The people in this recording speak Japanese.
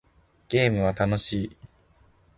ゲームは楽しい